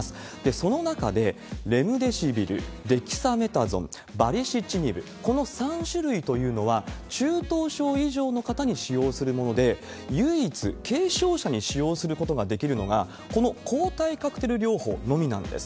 その中で、レムデシビル、デキサメタゾン、バリシチニブ、この３種類というのは、中等症以上の方に使用するもので、唯一、軽症者に使用することができるのが、この抗体カクテル療法のみなんです。